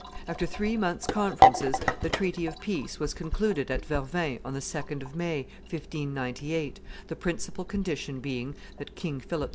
After three months' conferences the treaty of peace was concluded at Vervins on the 2d of May, 1598, the principal condition being, that King Philip II.